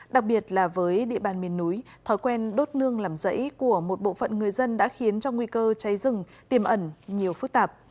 đặc biệt là với địa bàn miền núi thói quen đốt nương làm rẫy của một bộ phận người dân đã khiến cho nguy cơ cháy rừng tiềm ẩn nhiều phức tạp